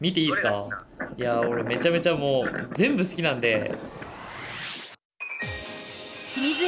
いや俺めちゃめちゃもう全部好きなんで。